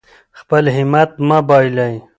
خپل همت مه بایلئ.